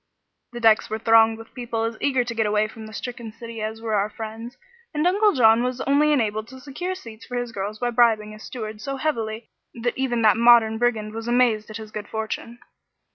The decks were thronged with people as eager to get away from the stricken city as were our friends, and Uncle John was only enabled to secure seats for his girls by bribing a steward so heavily that even that modern brigand was amazed at his good fortune.